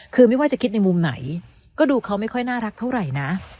คือไม่ว่าจะคิดในมุมไหนก็ดูเขาไม่ค่อยน่ารักเท่าไหร่นะ